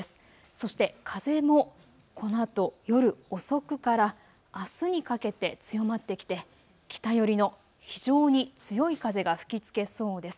そして風もこのあと夜遅くからあすにかけて強まってきて北寄りの非常に強い風が吹きつけそうです。